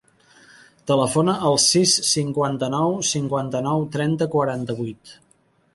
Telefona al sis, cinquanta-nou, cinquanta-nou, trenta, quaranta-vuit.